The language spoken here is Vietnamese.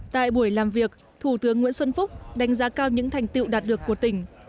tại buổi làm việc thủ tướng nguyễn xuân phúc đánh giá cao những thành tựu đạt được của tỉnh